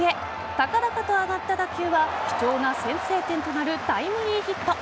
高々と上がった打球は貴重な先制点となるタイムリーヒット。